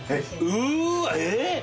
うわ。えっ！？